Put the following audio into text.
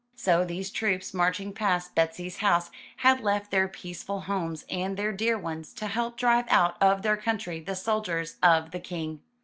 So these troops marching past Betsy's house had left their peaceful homes and their dear ones, to help drive out of their country the soldiers of the King.